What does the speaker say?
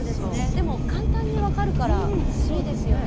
でも簡単に分かるからいいですよね。